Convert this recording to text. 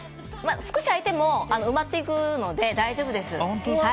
少し空いても埋まっていくので大丈夫です。